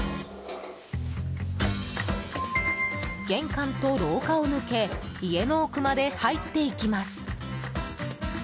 玄関と廊下を抜け家の奥まで入っていきます。